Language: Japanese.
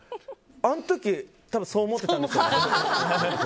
あの時、多分そう思ってたんでしょうね。